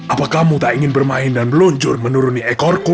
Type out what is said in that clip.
apa kamu tak ingin bermain dan meluncur menuruni ekorku